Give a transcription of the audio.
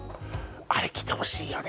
あれ来てほしいよね